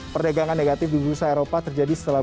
perdagangan negatif di bursa eropa terjadi setelah